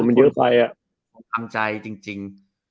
องค์คำใจจริง